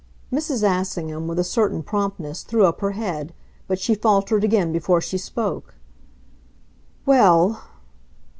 Mrs. Assingham, with a certain promptness, threw up her head; but she faltered again before she spoke. "Well